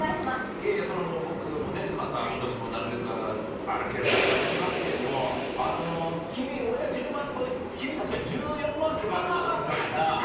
いえいえ、僕もまたことしもなるべく、歩けるだけ歩きますけれども、君、俺が１０万歩で、君たちが１４万とか歩いたよな。